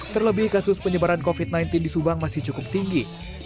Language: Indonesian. terlebih kasus penyebaran covid sembilan belas di subang masih cukup tinggi